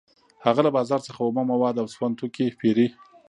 هغه له بازار څخه اومه مواد او د سون توکي پېري